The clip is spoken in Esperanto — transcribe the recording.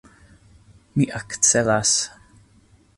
Mi akcelas.